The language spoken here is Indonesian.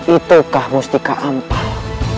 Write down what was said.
itukah mustika ampal